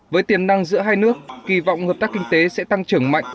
với tiềm năng giữa hai nước kỳ vọng hợp tác kinh tế sẽ tăng trưởng mạnh